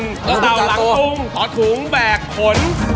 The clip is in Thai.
จ้าตาวลงตรุงขอตุ๋งแบกขน